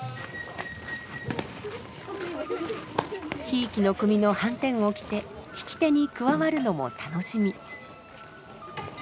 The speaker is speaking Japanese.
ひいきの組の半纏を着て引き手に加わるのも楽しみ。